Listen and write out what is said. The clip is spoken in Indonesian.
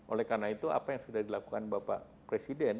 oleh karena itu apa yang sudah dilakukan bapak presiden